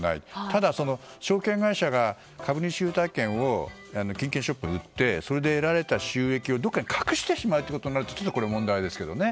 ただ、証券会社が株主優待券を金券ショップに売ってそれで得られた収益をどこかに隠してしまうとなると問題ですけどね。